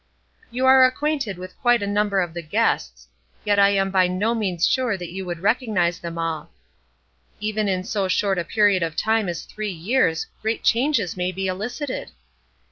You are acquainted with quite a number of the guests; yet I am by no means sure that you would recognize them all. Even in so short a period of time as three years, great changes may be elicited!